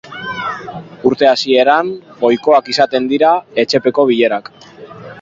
Urte hasieran ohikoak izaten dira etxepeko bilerak.